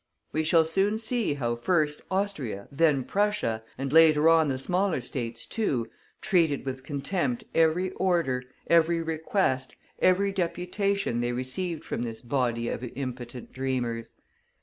We shall soon see how first Austria, then Prussia, and later on the smaller States too, treated with contempt every order, every request, every deputation they received from this body of impotent dreamers.